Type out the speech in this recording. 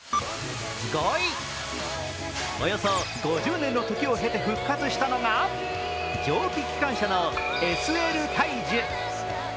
およそ５０年の時を経て復活したのが蒸気機関車のＳＬ大樹。